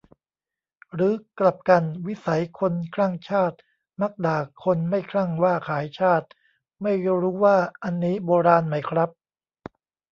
หรือกลับกัน "วิสัยคนคลั่งชาติมักด่าคนไม่คลั่งว่าขายชาติ" ? ไม่รู้ว่าอันนี้ 'โบราณ' ไหมครับ